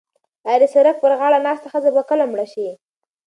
ایا د سړک پر غاړه ناسته ښځه به کله مړه شي؟